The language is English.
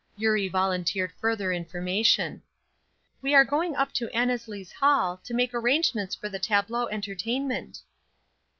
Eurie volunteered further information: "We are going up to Annesley's Hall, to make arrangements for the tableau entertainment."